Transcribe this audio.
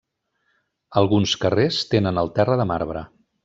Alguns carrers tenen el terra de marbre.